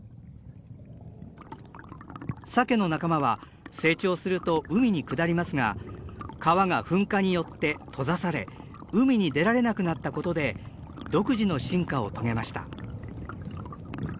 サケの仲間は成長すると海に下りますが川が噴火によって閉ざされ海に出られなくなったことで独自の進化を遂げました。